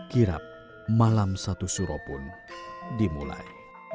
kirap malam satu suro pun dimulai